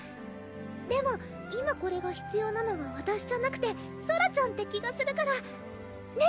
でも今これが必要なのはわたしじゃなくてソラちゃんって気がするからねっ？